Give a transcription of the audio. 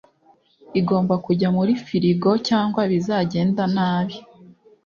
Igomba kujya muri firigo cyangwa bizagenda nabi